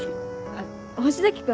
あっ星崎君